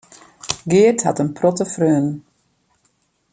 Geart hat in protte freonen.